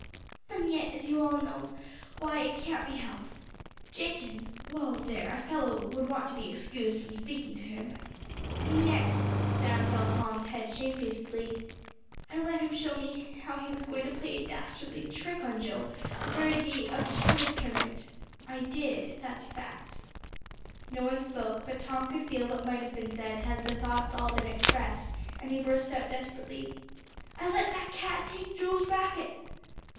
"And yet, as you all know, why, it can't be helped. Jenkins well there, a fellow would want to be excused from speaking to him. And yet" down fell Tom's head shamefacedly "I let him show me how he was going to play a dastardly trick on Joe, the very day of the tennis tournament. I did, that's a fact." No one spoke; but Tom could feel what might have been said had the thoughts all been expressed, and he burst out desperately, "I let that cad take Joe's racket."